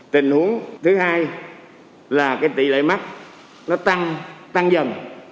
tình huống thứ hai là tỷ lệ mắc nó tăng tăng dần